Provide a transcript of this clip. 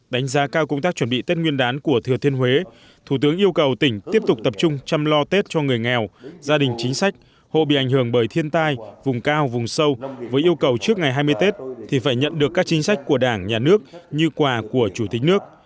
đánh giá cao công tác chuẩn bị tết nguyên đán của thừa thiên huế thủ tướng yêu cầu tỉnh tiếp tục tập trung chăm lo tết cho người nghèo gia đình chính sách hộ bị ảnh hưởng bởi thiên tai vùng cao vùng sâu với yêu cầu trước ngày hai mươi tết thì phải nhận được các chính sách của đảng nhà nước như quà của chủ tịch nước